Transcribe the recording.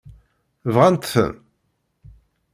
Bɣant-tent?